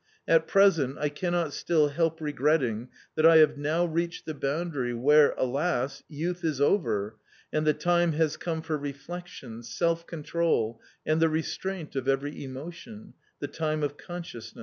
At present I cannot still help re gretting that I have now reached the boundary where, alas ! youth is over and the time has come for reflection, self control, and the restraint of every emotion — the time of consciousness.